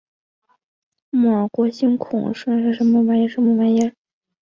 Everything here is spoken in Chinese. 默尔敦星孔珊瑚为轴孔珊瑚科星孔珊瑚下的一个种。